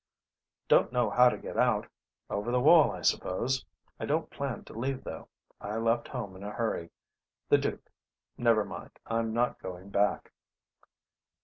"Don't know how to get out; over the wall, I suppose. I don't plan to leave though. I left home in a hurry. The Duke never mind. I'm not going back."